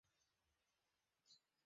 তো, গিয়ে জং-ধরা ব্লেড খোঁজ।